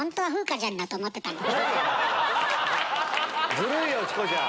ずるいよチコちゃん。